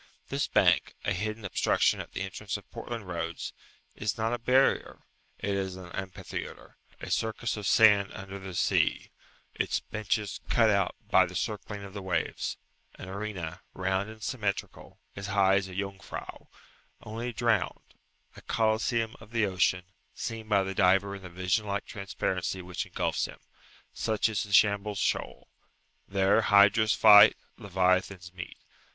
This bank, a hidden obstruction at the entrance of Portland roads, is not a barrier; it is an amphitheatre a circus of sand under the sea, its benches cut out by the circling of the waves an arena, round and symmetrical, as high as a Jungfrau, only drowned a coliseum of the ocean, seen by the diver in the vision like transparency which engulfs him, such is the Shambles shoal. There hydras fight, leviathans meet.